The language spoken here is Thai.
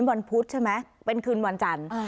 วันพุธใช่ไหมเป็นคืนวันจันทร์